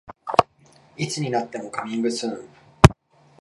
いつになってもカミングスーン